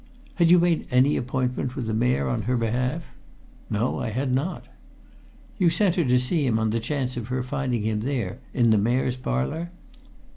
"Had you made any appointment with the Mayor on her behalf?" "No. I had not." "You sent her to see him on the chance of her finding him there in the Mayor's Parlour?"